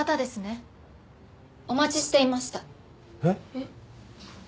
えっ？